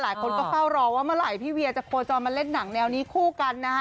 หลายคนก็เฝ้ารอว่าเมื่อไหร่พี่เวียจะโคจรมาเล่นหนังแนวนี้คู่กันนะฮะ